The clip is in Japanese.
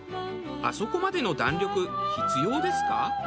あそこまでの弾力必要ですか？